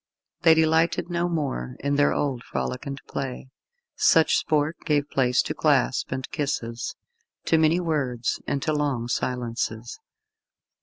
They delighted no more in their old frolic and play. Such sport gave place to clasp and kisses, to many words, and to long silences.